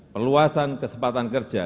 perluasan kesempatan kerja